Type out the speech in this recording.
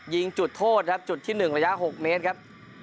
ยิงจุดโทษครับจุดที่๑ระยะ๖เมตรครับ